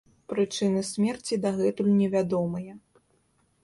Прычыны смерці дагэтуль невядомыя.